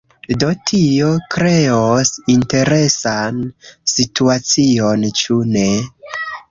Do, tio kreos interesan situacion, ĉu ne?